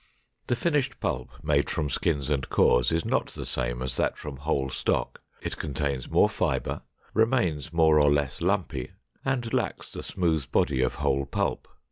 The finished pulp made from skins and cores is not the same as that from whole stock. It contains more fiber, remains more or less lumpy, and lacks the smooth body of whole pulp.